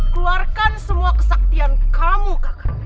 keluarkan semua kesaktian kamu kakak